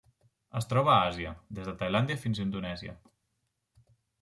Es troba a Àsia: des de Tailàndia fins a Indonèsia.